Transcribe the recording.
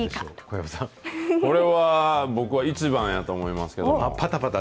これは、僕は１番やと思いますけども。